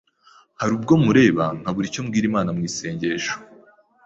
Hari ubwo mureba nkabura icyo mbwira Imana mu isengesho